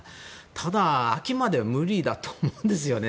ただ、秋までは無理だと思うんですよね。